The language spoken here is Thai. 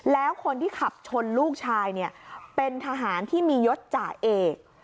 แล้วคนที่ขับชนลูกชายเนี่ยเป็นทหารที่มียศจ่าเอก